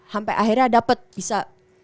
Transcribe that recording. sampai akhirnya dapet bisa